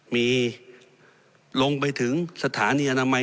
มีลงไปถึงสถานีอนามัย